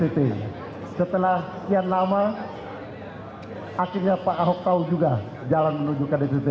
setelah sekian lama akhirnya pak ahok tahu juga jalan menuju ke dpt